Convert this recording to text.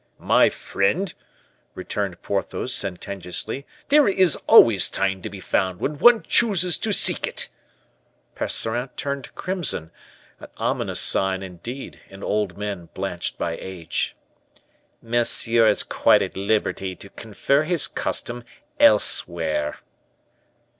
"My friend," returned Porthos, sententiously, "there is always time to be found when one chooses to seek it." Percerin turned crimson; an ominous sign indeed in old men blanched by age. "Monsieur is quite at liberty to confer his custom elsewhere."